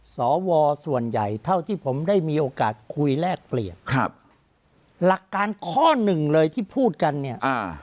สวส่วนใหญ่เท่าที่ผมได้มีโอกาสคุยแลกเปลี่ยนครับหลักการข้อหนึ่งเลยที่พูดกันเนี่ยอ่า